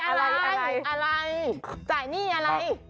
อะไรอะไรจ่ายหนี้อะไร